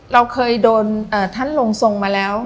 เราเคยโดนท่านลงทรงมาแล้ว